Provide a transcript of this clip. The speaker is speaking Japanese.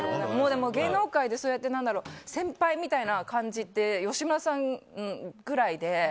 でも、芸能界でそうやって先輩みたいな感じって吉村さんくらいで。